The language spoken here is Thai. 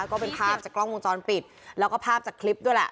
ก็เป็นภาพจากกล้องวงจรปิดแล้วก็ภาพจากคลิปด้วยแหละ